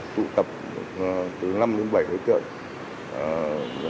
tụ tập từ năm đến bảy đối tượng